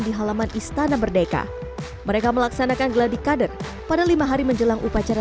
di halaman istana merdeka mereka melaksanakan geladik kader pada lima hari menjelang upacara